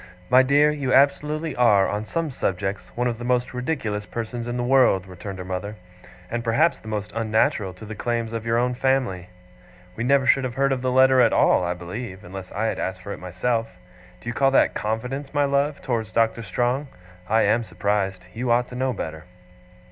'My dear, you absolutely are, on some subjects, one of the most ridiculous persons in the world,' returned her mother, 'and perhaps the most unnatural to the claims of your own family. We never should have heard of the letter at all, I believe, unless I had asked for it myself. Do you call that confidence, my love, towards Doctor Strong? I am surprised. You ought to know better.